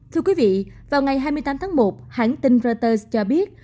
thưa quý vị vào ngày hai mươi tám tháng một hãng tin reuters cho biết